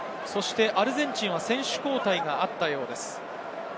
アルゼンチンは選手交代があったようです。